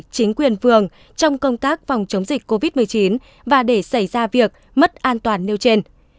chính quyền phường trong công tác phòng chống dịch covid một mươi chín và để xảy ra việc mất an toàn nêu trên